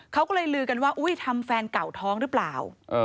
เขาก็เลยลือกันว่าอุ้ยทำแฟนเก่าท้องหรือเปล่า